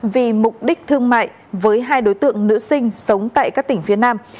vì mục đích thương mại với hai đối tượng nữ sinh sống tại các tỉnh phía nam